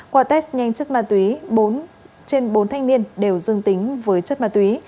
qua test nhanh chất ma túy bốn trên bốn thanh niên đều dương tính với chất ma túy